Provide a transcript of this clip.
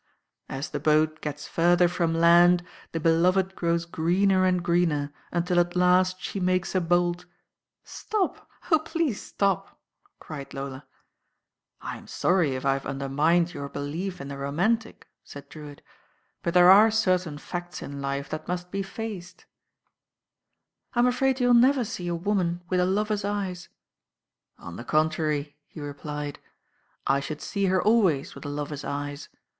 "As the boat gets further from land, the beloved grows greener and greener, until at last she makes a bolt " "Stop I Oh, please, stop 1" cried Lola. "I'm sorry if I have undermined your belief in the romantic," said Drewitt, "but there are certain facts in life that must be faced." THE NINE DAYS ENDED *'I*m afraid you'll never see a woman with a lover's eyes." "On the contrary," he replied, "I should see her always with a lover's eyes.